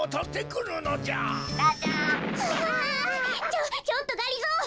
ちょちょっとがりぞー